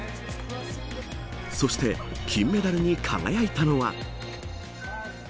そして金メダルに輝いたのは。